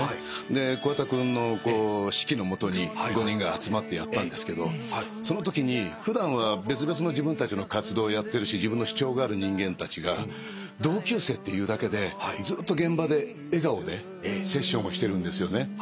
で桑田君の指揮の下に５人が集まってやったんですけどそのときに普段は別々の自分たちの活動をやってるし自分の主張がある人間たちが同級生っていうだけでずっと現場で笑顔でセッションをしてるんですよね。